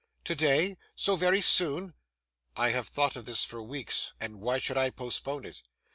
'Today? so very soon?' 'I have thought of this for weeks, and why should I postpone it?